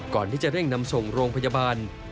ก่อนที่จะเร่งนำส่งโรงพยาบาล